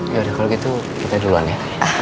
yaudah kalau gitu kita duluan ya